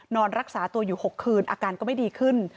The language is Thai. นอนรักษาตัวอยู่๖คืนอาการก็ไม่ดีขึ้น